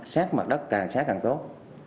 sát mặt đất càng sát càng tốt